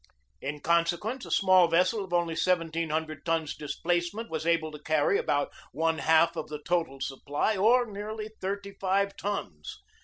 In consequence a small vessel of only seventeen hundred tons displacement was able to carry about one half of the total supply, or nearly thirty five tons.